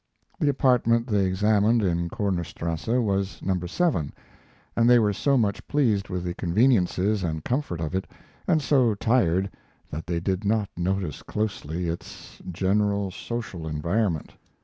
The apartment they examined in Kornerstrasse was Number 7, and they were so much pleased with the conveniences and comfort of it and so tired that they did not notice closely its, general social environment.